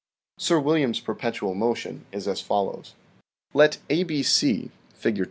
Sir William's perpetual motion is as follows: " Let ABC, Fig.